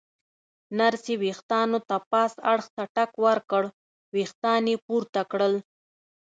نرسې ورېښتانو ته پاس اړخ ته ټک ورکړ، ورېښتان یې پورته کړل.